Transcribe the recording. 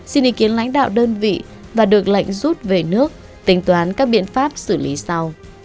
xin ý kiến lãnh đạo đơn vị và được lệnh rút về nước tính toán các biện pháp xử lý sau